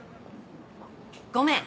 ごめん！